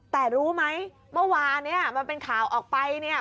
แต่รู้ไหมเมื่อวานเนี่ยมันเป็นข่าวออกไปเนี่ย